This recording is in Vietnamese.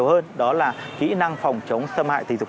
họ có những thứ